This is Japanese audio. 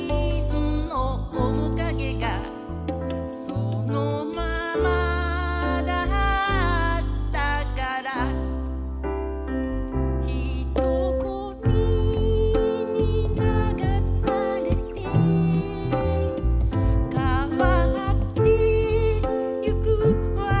「そのままだったから」「人ごみに流されて変わってゆく私を」